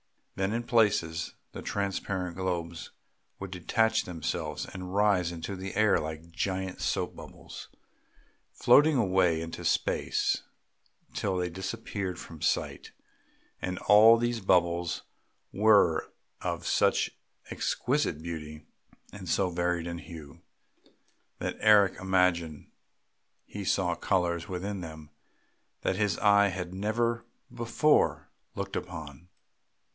Then in places the transparent globes would detach themselves and rise into the air like giant soap bubbles, floating away into space till they disappeared from sight; and all these bubbles were of such exquisite beauty, and so varied in hue, that Eric imagined he saw colours within them that his eye had never before looked upon.